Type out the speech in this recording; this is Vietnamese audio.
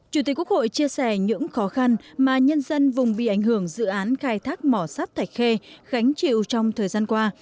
chủ tịch quốc hội chia sẻ những khó khăn mà nhân dân vùng bị ảnh hưởng dự án khai thác mỏ sắt thạch khê gánh chịu trong thời gian qua